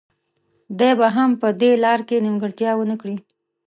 دی به هم په دې لاره کې نیمګړتیا ونه کړي.